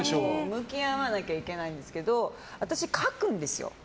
向き合わなきゃいけないんですけど私、書くんですよ。